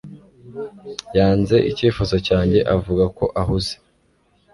Yanze icyifuzo cyanjye avuga ko ahuze